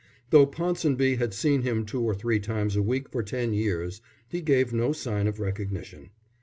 Though Ponsonby had seen him two or three times a week for ten years, he gave no sign of recognition.